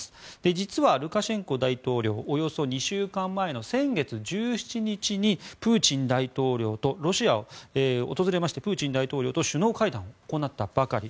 実はルカシェンコ大統領およそ２週間前の先月１７日にロシアを訪れましてプーチン大統領と首脳会談を行ったばかり。